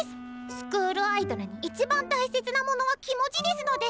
スクールアイドルに一番大切なものは気持ちですので！